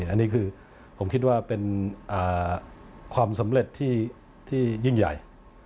อันนี้คือผมคิดว่าเป็นความสำเร็จที่ยิ่งใหญ่